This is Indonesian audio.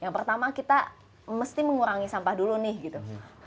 yang pertama kita mesti mengurangi sampah dulu nih gitu